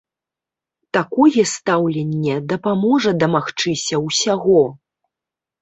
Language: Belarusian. Такое стаўленне дапаможа дамагчыся ўсяго!